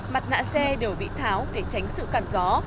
mặt nạ xe đều bị tháo để tránh sự cần gió